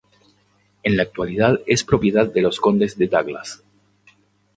En la actualidad es propiedad de los condes de Douglas.